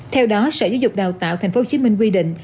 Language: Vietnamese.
theo đó sở giáo dục đào tạo tp hcm quy định